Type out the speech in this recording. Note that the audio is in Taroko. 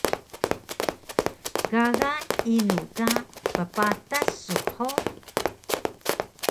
Gaga inu ka ppatas su hug?